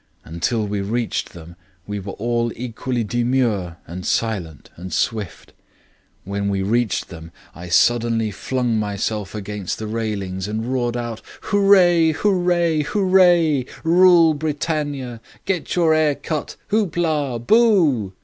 Until we reached them we were all equally demure and silent and swift. When we reached them I suddenly flung myself against the railings and roared out: 'Hooray! Hooray! Hooray! Rule Britannia! Get your 'air cut. Hoop la! Boo!'